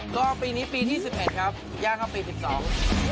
ก็ปีนี้ปีที่สิบเอ็ดครับย่างเข้าปีสิบสอง